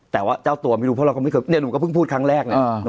แต่ว่าเจ้าตัวเพราะเนี้ยหนุ่มเพิ่งพูดครั้งแรกนี้